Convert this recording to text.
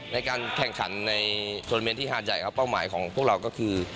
ในการแข่งขันในโทรเมนต์ที่หาดใหญ่ครับเป้าหมายของพวกเราก็คือ